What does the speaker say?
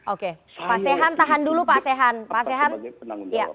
oke pak sehan tahan dulu pak sehan